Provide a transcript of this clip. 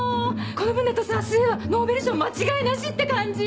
この分だとさ末はノーベル賞間違いなしって感じ？